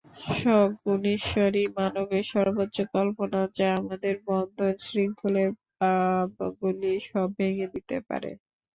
সগুণ ঈশ্বরই মানবের সর্বোচ্চ কল্পনা, যা আমাদের বন্ধন-শৃঙ্খলের পাবগুলি সব ভেঙে দিতে পারে।